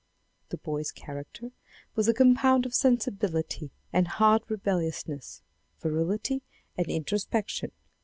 The boy's character was a compound of sensibility and hard rebelliousness, virility and introspection.